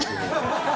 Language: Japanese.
ハハハ！